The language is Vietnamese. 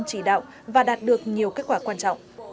chỉ đạo và đạt được nhiều kết quả quan trọng